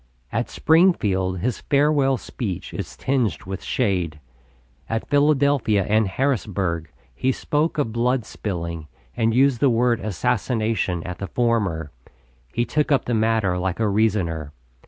At Springfield his farewell speech is tinged with shade. At Philadelphia and Harrisburg he spoke of blood spilling, and used the word "assassination" at the former. He took up the matter like a reasoner.